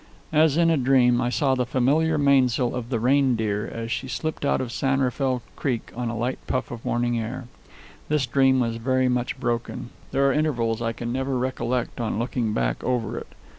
As in a dream, I saw the familiar mainsail of the Reindeer as she slipped out of San Rafael Creek on a light puff of morning air. This dream was very much broken. There are intervals I can never recollect on looking back over it.